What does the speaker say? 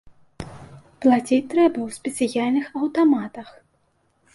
Плаціць трэба ў спецыяльных аўтаматах.